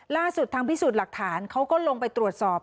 ล่าสุดทางพิสูจน์หลักฐานเขาก็ลงไปตรวจสอบ